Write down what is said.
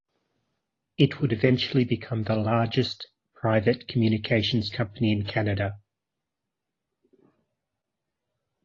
It would eventually become the largest private communications company in Canada.